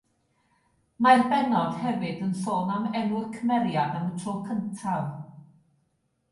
Mae'r bennod hefyd yn sôn am enw'r cymeriad am y tro cyntaf.